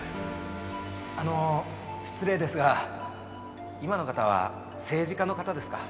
あの失礼ですが今の方は政治家の方ですか？